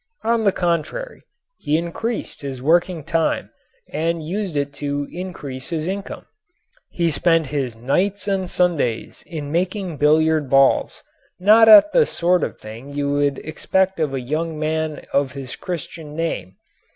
On the contrary, he increased his working time and used it to increase his income. He spent his nights and Sundays in making billiard balls, not at all the sort of thing you would expect of a young man of his Christian name.